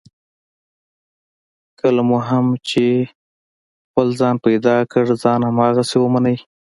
کله مو هم چې خپل ځان پیدا کړ، ځان هماغسې ومنئ.